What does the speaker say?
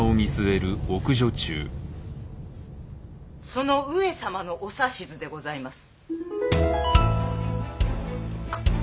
その上様のお指図でございます。